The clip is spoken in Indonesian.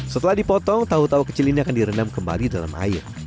setelah dipotong tahu tahu kecil ini akan direndam kembali dalam air